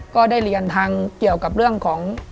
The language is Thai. ก็ได้เรียนทางเกี่ยวกับเรื่องของ